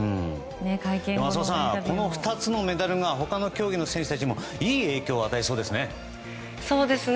浅尾さん、この２つのメダルが他の競技の選手たちにもいい影響を与えそうですね。